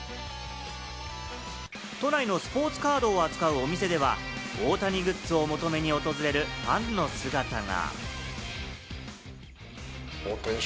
都内のスポーツカードを扱うお店では、大谷グッズを求めに訪れるファンの姿が。